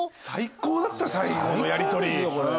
最高だった最後のやりとり。